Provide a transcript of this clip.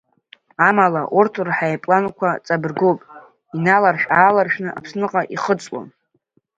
Амала, урҭ рҳаирпланқәа, ҵабыргуп, иналаршә-ааларшәны Аԥсныҟа ихыҵлон.